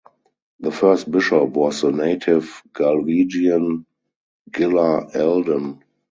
The first bishop was the native Galwegian - Gilla Aldan.